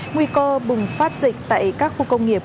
nguy cơ bùng phát dịch tại các khu công nghiệp